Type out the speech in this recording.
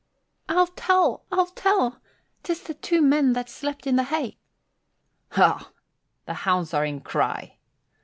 "I'll tell I'll tell 'Tis the two men that slept in the hay." "Ha! The hounds are in cry."